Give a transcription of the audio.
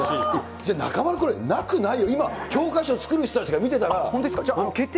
じゃあ、中丸、これ、なくないよ、今、教科書作る人たちが見本当ですか？